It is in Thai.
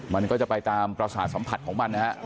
มันก็จะไปตามประสาทสัมผัสของมันนะฮะ